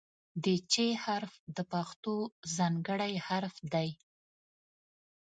د "چ" حرف د پښتو ځانګړی حرف دی.